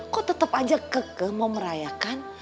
kok tetap aja keke mau merayakan